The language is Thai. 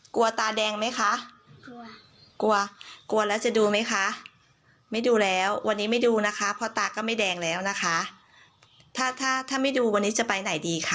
กลัวตาแดงไหมคะกลัวกลัวแล้วจะดูไหมคะไม่ดูแล้ววันนี้ไม่ดูนะคะเพราะตาก็ไม่แดงแล้วนะคะถ้าถ้าไม่ดูวันนี้จะไปไหนดีคะ